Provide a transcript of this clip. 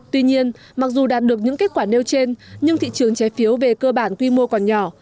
tuy nhiên mặc dù đạt được những kết quả nêu trên nhưng thị trường trái phiếu về cơ bản quy mô còn nhỏ